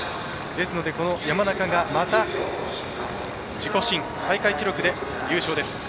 ですので、山中がまた自己新大会記録で優勝です。